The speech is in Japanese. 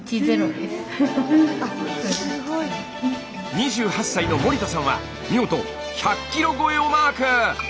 ２８歳の森田さんは見事１００キロ超えをマーク！